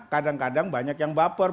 kadang kadang banyak yang baper